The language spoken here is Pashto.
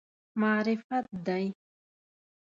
معرفت دی.